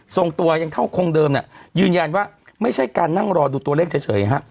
ส่งตัวยังเท่าคงเดิมเนี่ยยืนยันว่าไม่ใช่การนั่งรอดูตัวเลขเฉยฮะ